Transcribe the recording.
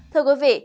thưa quý vị